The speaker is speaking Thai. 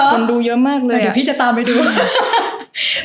จริงเหรอเดี๋ยวพี่จะตามไปดูคุณดูเยอะมากเลย